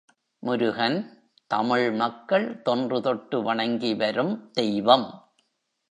முருகன், தமிழ் மக்கள் தொன்று தொட்டு வணங்கி வரும் தெய்வம்.